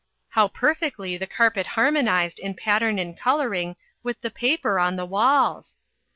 How perfectly the carpet harmonized in pattern and coloring with the paper on the walls